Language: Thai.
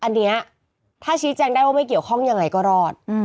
อันนี้ถ้าชี้แจงได้ว่าไม่เกี่ยวข้องยังไงก็รอด